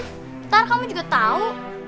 ntar kamu juga tau